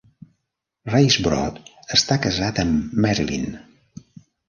Risebrough està casat amb Marilyn.